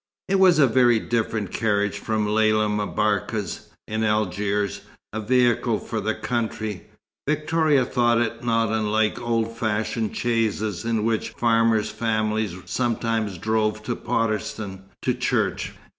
It was a very different carriage from Lella M'Barka's, in Algiers; a vehicle for the country, Victoria thought it not unlike old fashioned chaises in which farmers' families sometimes drove to Potterston, to church.